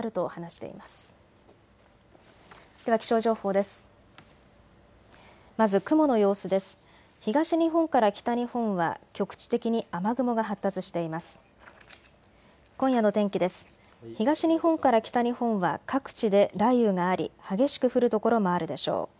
東日本から北日本は各地で雷雨があり激しく降る所もあるでしょう。